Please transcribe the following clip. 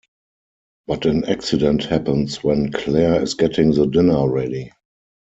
But an accident happens when Claire is getting the dinner ready.